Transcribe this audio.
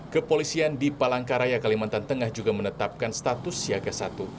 kepolisian di palangkaraya kalimantan tengah juga menetapkan status siaga satu